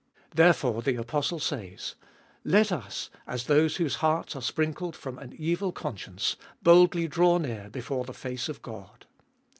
Therefore the apostle says : Let us, as those whose hearts are sprinkled from an evil conscience, boldly draw near before the face of God.